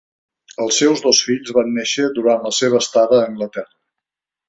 Els seus dos fills van néixer durant la seva estada a Anglaterra.